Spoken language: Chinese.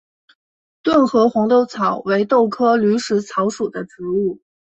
顿河红豆草为豆科驴食草属的植物。